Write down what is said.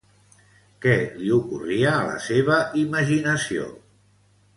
Què li ocorria a la seva imaginació?